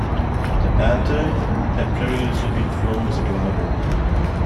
The Ente had previously been flown as a glider.